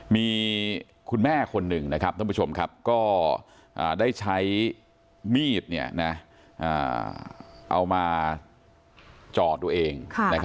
มีคุณแม่คนหนึ่งนะครับท่านผู้ชมครับก็ได้ใช้มีดเอามาจ่อตัวเอง